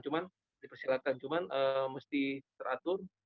cuma mesti teratur